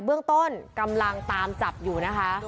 เบื้องต้นกำลังตามจับอยู่นะคะ